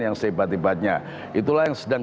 yang sehebat hebatnya itulah yang sedang